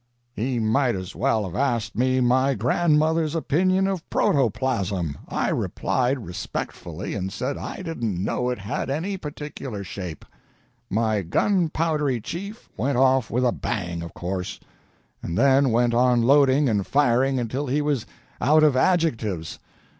He might as well have asked me my grandmother's opinion of protoplasm. I replied respectfully and said I didn't know it had any particular shape. My gun powdery chief went off with a bang, of course, and then went on loading and firing until he was out of adjectives